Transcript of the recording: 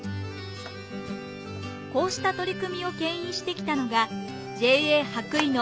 こうした取り組みを牽引してきたのがＪＡはくいの